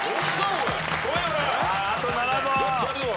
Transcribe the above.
あと７問。